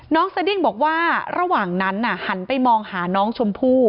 สดิ้งบอกว่าระหว่างนั้นหันไปมองหาน้องชมพู่